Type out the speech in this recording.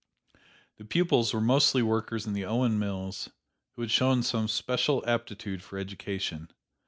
The pupils were mostly workers in the Owen mills who had shown some special aptitude for education.